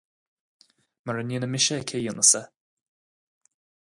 Mura ndéanfaidh mise é, cé a dhéanfas é?